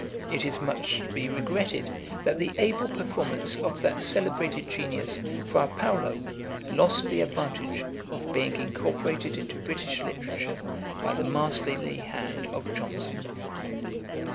It is much to be regretted, that the able performance of that celebrated genius FRA PAOLO, lost the advantage of being incorporated into British literature by the masterly hand of Johnson. [Page 136: Mr. Cave's insinuation.